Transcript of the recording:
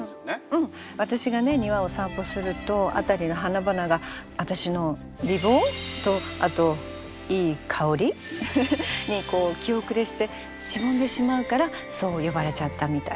庭を散歩すると辺りの花々が私の美貌？とあといい香り？に気後れしてしぼんでしまうからそう呼ばれちゃったみたい。